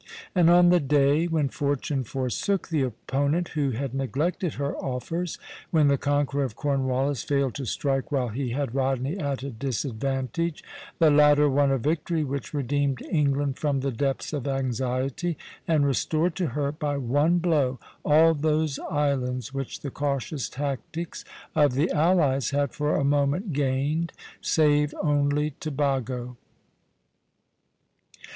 And on the day when Fortune forsook the opponent who had neglected her offers, when the conqueror of Cornwallis failed to strike while he had Rodney at a disadvantage, the latter won a victory which redeemed England from the depths of anxiety, and restored to her by one blow all those islands which the cautious tactics of the allies had for a moment gained, save only Tobago.